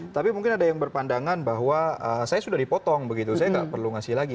tapi mungkin ada yang berpandangan bahwa saya sudah dipotong begitu saya nggak perlu ngasih lagi